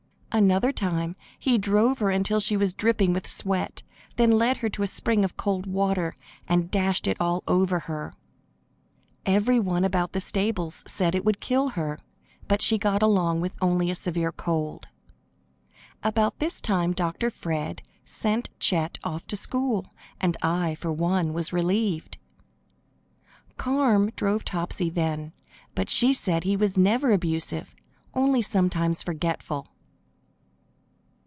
Another time he drove her until she was dripping with sweat, then led her into a spring of cold water and dashed it all over her. Every one about the stables said it would kill her, but she got along with only a severe cold. About this time Dr. Fred sent Chet off to school, and I, for one, was relieved. Carm drove Topsy then, but she said he was never abusive, only sometimes forgetful.